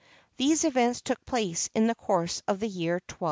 These events took place in the course of the year 1264.